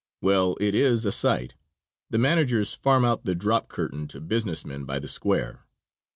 Well, it is a sight! The managers farm out the drop curtain to business men by the square.